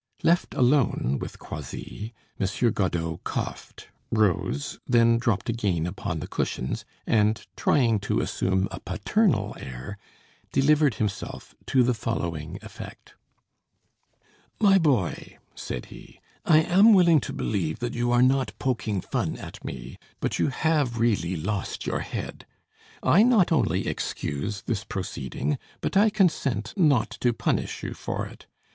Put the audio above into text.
Left alone with Croisilles, Monsieur Godeau coughed, rose, then dropped again upon the cushions, and, trying to assume a paternal air, delivered himself to the following effect: "My boy," said he, "I am willing to believe that you are not poking fun at me, but you have really lost your head. I not only excuse this proceeding, but I consent not to punish you for it.